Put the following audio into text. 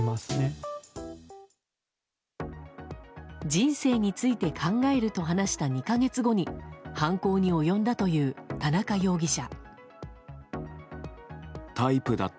人生について考えると話した２か月後に犯行に及んだという田中容疑者。